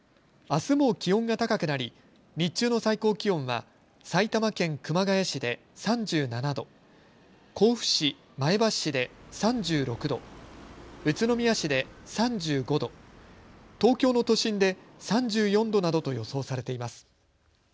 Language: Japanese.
あすも気温が高くなり、日中の最高気温は埼玉県熊谷市で３７度、甲府市、前橋市で３６度、宇都宮市で３５度、東京の都心で３４度などと予想されています。